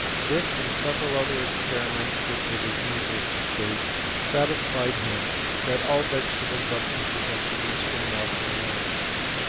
This, and several other experiments whicli it is needless to state, satisfied him tliat all vegetable substances are produced from water alone.